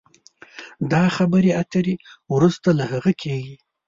دا خبرې اترې وروسته له هغه کېږي